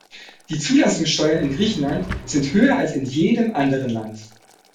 Die Zulassungssteuern in Griechenland sind höher als in jedem anderen Land.